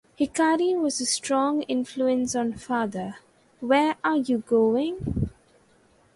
Hikari was a strong influence on Father, Where are you Going?